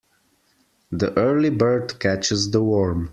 The early bird catches the worm.